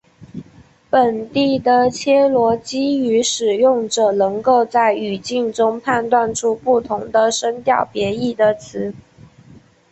本地的切罗基语使用者能够在语境中判断出不同的声调别义的词。